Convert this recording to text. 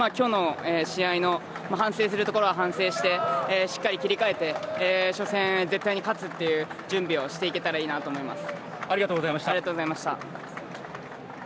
今日の試合の反省するところは反省してしっかり切り替えて初戦、絶対に勝つという準備をしていけたらなと思います。